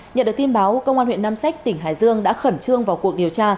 nhận được tin báo công an huyện nam sách tỉnh hải dương đã khẩn trương vào cuộc điều tra